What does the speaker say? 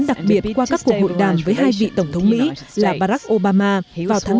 đặc biệt qua các cuộc hội đàm với hai vị tổng thống mỹ là barack obama vào tháng bốn